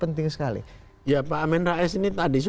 untuk mencoba memperbaiki